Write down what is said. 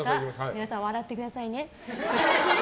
皆さん、笑ってくださいね。